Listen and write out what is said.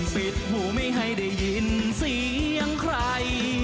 ปิดหูไม่ให้ได้ยินเสียงใคร